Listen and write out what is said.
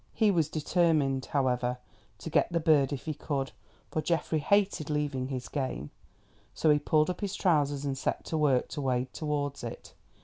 He was determined, however, to get the bird if he could, for Geoffrey hated leaving his game, so he pulled up his trousers and set to work to wade towards it.